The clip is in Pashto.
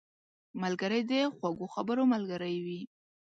ملګری د خوږو خبرو ملګری وي